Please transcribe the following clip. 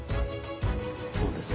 そうです。